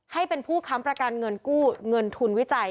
ให้เป็นผู้ค้ำประกันเงินทุนวิจัย